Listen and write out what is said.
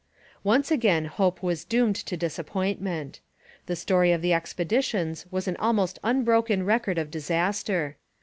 Once again hope was doomed to disappointment. The story of the expeditions was an almost unbroken record of disaster.